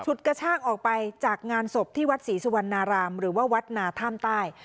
กระชากออกไปจากงานศพที่วัดศรีสุวรรณารามหรือว่าวัดนาท่ามใต้